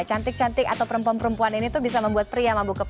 cantik cantik atau perempuan perempuan ini tuh bisa membuat pria mabuk